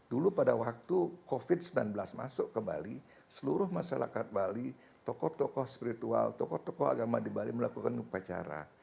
dulu pada waktu covid sembilan belas masuk ke bali seluruh masyarakat bali tokoh tokoh spiritual tokoh tokoh agama di bali melakukan upacara